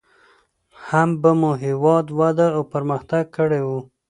هم به مو هېواد وده او پرمختګ کړى و.